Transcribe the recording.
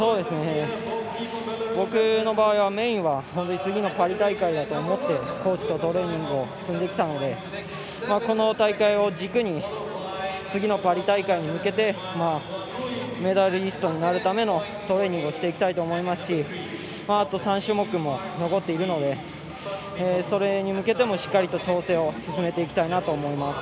僕の場合はメインは次のパリ大会だと思ってコーチとトレーニングを積んできたのでこの大会を軸に、次のパリ大会に向けてメダリストになるためのトレーニングをしていきたいと思いますしあと３種目も残っているのでそれに向けてもしっかりと調整を進めていきたいと思います。